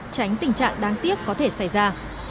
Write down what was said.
tránh tình trạng đáng tiếc có thể xảy ra